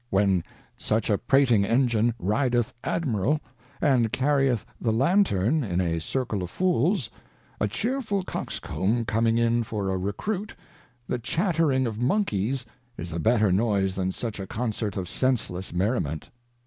When such a prating Engine rideth Admiral, and carrieth the Lantern, in a Circle of Fools, a cheerful Coxcomb coming in for a Recruit, the Chattering of Monkeys is a better noise than such a Concert of senceless Merriment.